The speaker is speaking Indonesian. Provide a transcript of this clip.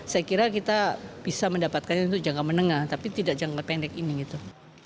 saya kira kita bisa mendapatkannya untuk jangka menengah tapi tidak jangka pendek ini gitu